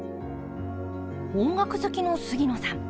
音楽好きの杉野さん。